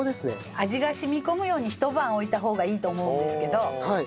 味が染み込むようにひと晩置いた方がいいと思うんですけど。